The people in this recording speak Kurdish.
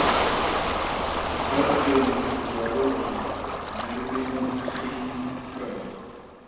Berxê min tu zarokî, merivên pexîlî pirin